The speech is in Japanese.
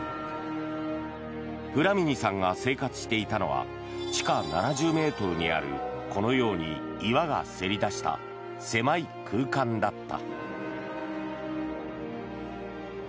フラミニさんが生活していたのは地下７０ｍにあるこのように、岩がせり出した狭い空間だった。